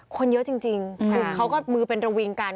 คนเยอะจริงคือเขาก็มือเป็นระวิงกัน